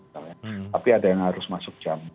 tapi ada yang harus masuk jam